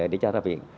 để cho ra viện